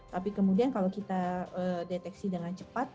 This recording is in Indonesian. tapi kemudian kalau kita deteksi dengan cepat